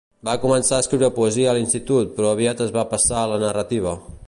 Va començar a escriure poesia a l'institut, però aviat es va passar a la narrativa.